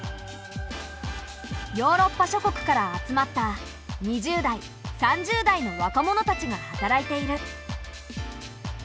ヨーロッパ諸国から集まった２０代３０代の若者たちが働いている。